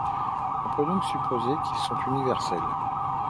On peut donc supposer qu'ils sont universels.